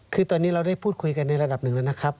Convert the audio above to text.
คือตอนนี้เราได้พูดคุยกันในระดับหนึ่งแล้วนะครับ